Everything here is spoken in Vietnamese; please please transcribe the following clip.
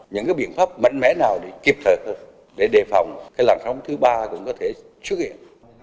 những cái biện pháp mạnh mẽ nào để kịp thời để đề phòng cái làn sóng thứ ba cũng có thể xuất hiện